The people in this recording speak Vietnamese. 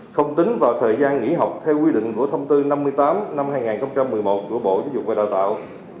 không tính vào thời gian nghỉ học theo quy định của thông tư năm mươi tám năm hai nghìn một mươi một của bộ giáo dục và đào tạo